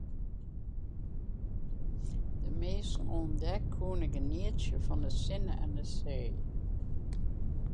De minsken oan dek koene genietsje fan de sinne en de see.